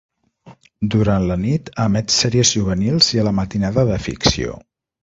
Durant la nit emet sèries juvenils i a la matinada de ficció.